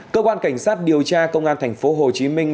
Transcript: cơ quan cảnh sát điều tra công an thành phố hồ chí minh